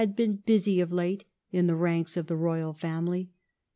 and Queen busy of late in the ranks of the Royal family.